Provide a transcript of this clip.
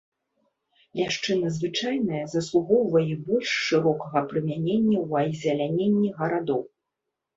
Ляшчына звычайная заслугоўвае больш шырокага прымянення ў азеляненні гарадоў.